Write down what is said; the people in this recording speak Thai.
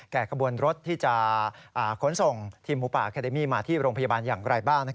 กระบวนรถที่จะขนส่งทีมหมูป่าแคเดมี่มาที่โรงพยาบาลอย่างไรบ้าง